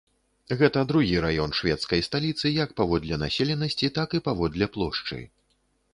Гэта другі раён шведскай сталіцы як паводле населенасці, так і паводле плошчы.